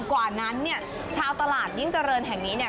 กว่านั้นเนี่ยชาวตลาดยิ่งเจริญแห่งนี้เนี่ย